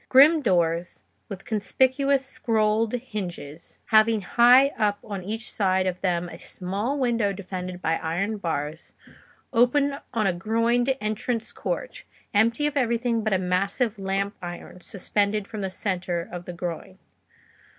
Grim doors, with conspicuous scrolled hinges, having high up on each side of them a small window defended by iron bars, opened on a groined entrance court, empty of everything but a massive lamp iron suspended from the centre of the groin.